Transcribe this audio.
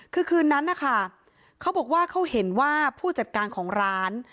คือคืนนั้นนะคะเขาบอกว่าเขาเห็นว่าผู้จัดการของร้าน